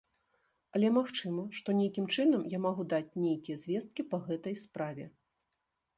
Але магчыма, што нейкім чынам я магу даць нейкія звесткі па гэтай справе.